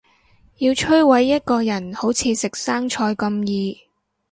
要摧毁一個人好似食生菜咁易